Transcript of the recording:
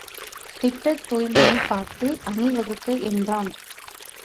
திட்டத் துய்மனைப் பார்த்து அணி வகுக்க என்றான்.